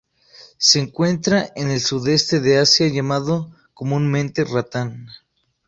Se encuentra en el Sudeste de Asia, llamado comúnmente ratán.